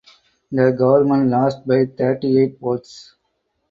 The government lost by thirty eight votes.